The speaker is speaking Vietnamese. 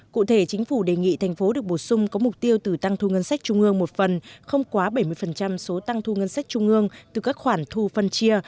cụ thể chính phủ đề nghị thành phố được bổ sung có mục tiêu từ tăng thu ngân sách trung ương một phần không quá bảy mươi số tăng thu ngân sách trung ương từ các khoản thu phân chia